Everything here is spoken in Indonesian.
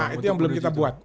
nah itu yang belum kita buat